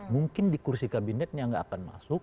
mungkin di kursi kabinetnya nggak akan masuk